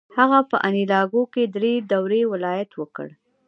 هغه په انیلاکو کې درې دورې ولایت وکړ.